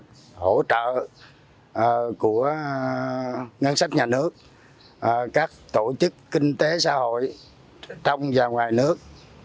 có hiệu quả các nguồn lực hỗ trợ của ngân sách nhà nước các tổ chức kinh tế xã hội trong và ngoài nước